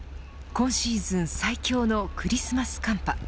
今シーズン最強のクリスマス寒波。